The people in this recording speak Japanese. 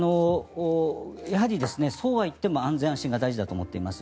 やはり、そうはいっても安全安心が大事だと思っています。